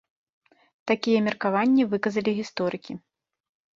Такія меркаванні выказалі гісторыкі.